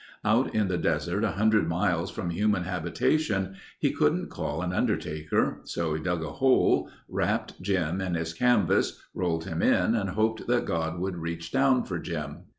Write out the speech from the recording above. Out in the desert 100 miles from human habitation he couldn't call an undertaker, so he dug a hole, wrapped Jim in his canvas, rolled him in and hoped that God would reach down for Jim.